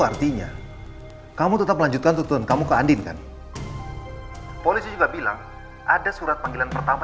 artinya kamu tetap melanjutkan tutun kamu ke andin kan polisi juga bilang ada surat panggilan pertama